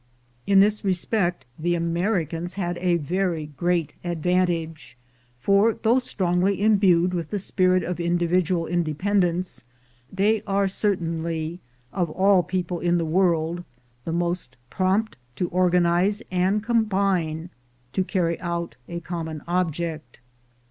In this respect the Americans had a very great advantage, for, though strongly imbued with the spirit of individual independence, they are certainly of all people in the world the most prompt to organize and combine to carry out a common object.